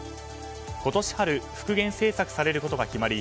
今年春復元制作されることが決まり